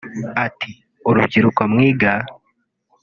Ati “Urubyiruko mwiga